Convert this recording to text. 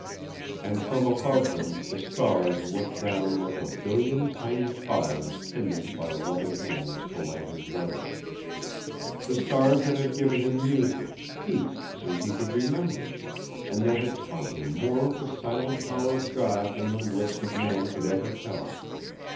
And from above him the stars looked down like a billion tiny fires kindled by loving hands to light his way the stars that had given him music, peace, since he could remember, and that had taught him more of the silent power of God than the lips of man could ever tell.